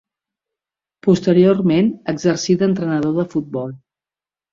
Posteriorment exercí d'entrenador de futbol.